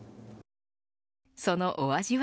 そのお味は。